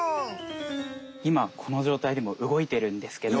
今このじょうたいでも動いてるんですけど。